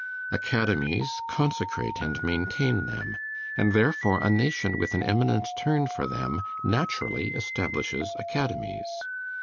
Academies consecrate and maintain them, and therefore a nation with an eminent turn for them naturally establishes academies.